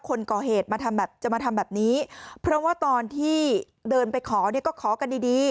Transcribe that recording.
คนก่อเหตุจะมาทำแบบนี้เพราะว่าตอนที่เดินไปขอก็ขอกันดี